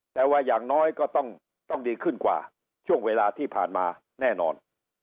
แต่ว่าอย่างน้อยก็ต้องดีขึ้นกว่าช่วงเวลาที่ผ่านมาแน่นอน